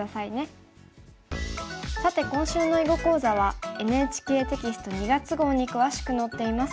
さて今週の囲碁講座はＮＨＫテキスト２月号に詳しく載っています。